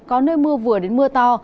có nơi mưa vừa đến mưa to